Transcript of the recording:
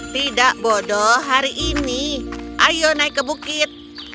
tidak bodoh hari ini ayo naik ke bukit